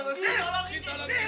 lu berani buka mulut